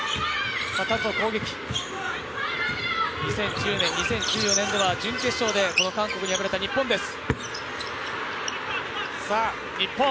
２０１０年、２０１４年は準決勝でこの韓国に敗れた日本です。